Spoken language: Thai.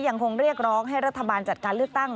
ยังคงเรียกร้องให้รัฐบาลจัดการเลือกตั้ง